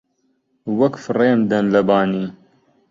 وەک فڕێم دەن لە بانی